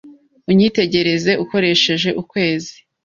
Unyitegereze ukoresheje ukwezi;